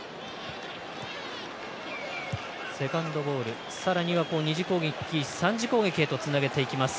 セカンドボールさらには、２次攻撃３次攻撃へとつなげていきます。